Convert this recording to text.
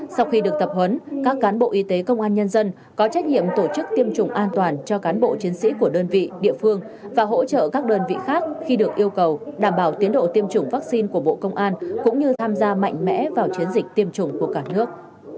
sau khi được tập huấn các cán bộ y tế công an nhân dân có trách nhiệm tổ chức tiêm chủng an toàn cho cán bộ chiến sĩ của đơn vị địa phương và hỗ trợ các đơn vị khác khi được yêu cầu đảm bảo tiến độ tiêm chủng vaccine của bộ công an cũng như tham gia mạnh mẽ vào chiến dịch tiêm chủng của cả nước